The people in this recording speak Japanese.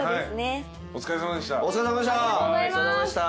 お疲れさまでした！